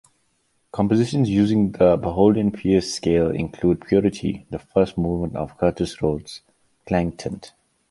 Compositions using the Bohlen-Pierce scale include "Purity", the first movement of Curtis Roads' "Clang-Tint".